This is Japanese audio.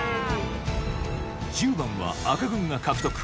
１０番は赤軍が獲得